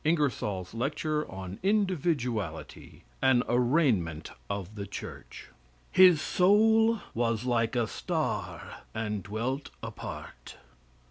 INGERSOLL'S LECTURE ON INDIVIDUALITY, AN ARRAIGNMENT OF THE CHURCH. "His soul was like a star and dwelt apart."